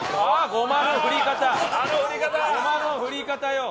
ごまの振り方よ。